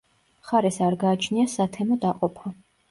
მხარეს არ გააჩნია სათემო დაყოფა.